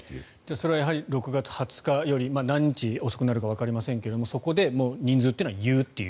それはやはり６月２０日より何日遅くなるのかわかりませんけどもそこで人数というのは言うと。